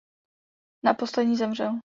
Na poslední zemřel.